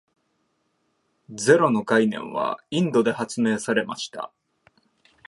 ゼロの概念はインドで発明されました。